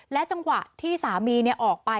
จังหวะที่สามีออกไป